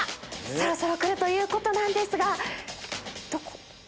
そろそろ来るということなんですが。